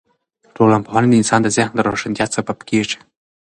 ټولنپوهنه د انسان د ذهن د روښانتیا سبب کیږي.